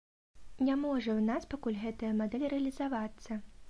Не можа ў нас пакуль гэтая мадэль рэалізавацца.